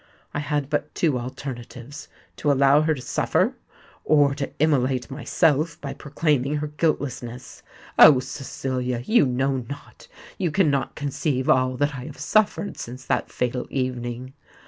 I had but two alternatives—to allow her to suffer, or to immolate myself by proclaiming her guiltlessness. Oh! Cecilia, you know not—you cannot conceive all that I have suffered since that fatal evening!